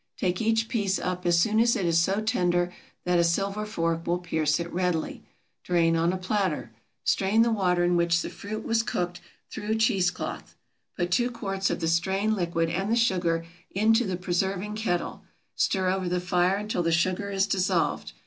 Take each piece up as soon as it is so tender that a silver fork will pierce it readily. Drain on a platter. Strain the water in which the fruit was cooked through cheese cloth. Put two quarts of the strained liquid and the sugar into the preserving kettle; stir over the fire until the sugar is dissolved.